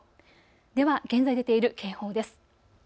では現在出ている警報です。